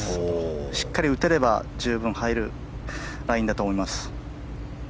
しっかり打てれば十分入れるラインだと思います。